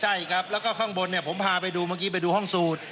ใช่ครับแล้วก็ข้างบนเนี่ยผมพาไปดูเมื่อกี้ไปดูห้องสูตร